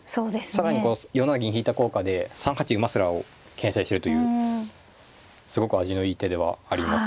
更にこう４七銀引いた効果で３八馬すらをけん制してるというすごく味のいい手ではあります。